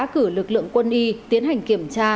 cử lực lượng quân y tiến hành kiểm tra